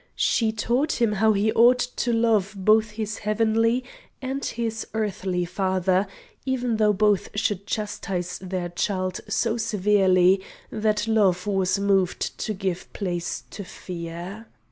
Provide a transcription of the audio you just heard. She taught him how he ought to love both his Heavenly and his earthly father, even though both should chastise their child so severely that love was moved to give place to fear.